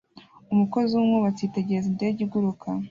Umukozi wubwubatsi yitegereza indege iguruka